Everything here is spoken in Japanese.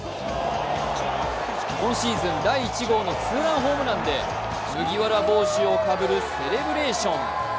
今シーズン第１号のツーランホームランで麦わら帽子をかぶるセレブレーション。